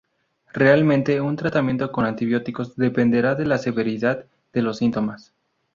Realmente, un tratamiento con antibióticos dependerá de la severidad de los síntomas.